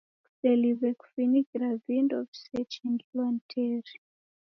Kuseliw'e kufinikira vindo visechengilwa ni teri.